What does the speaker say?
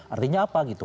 artinya apa gitu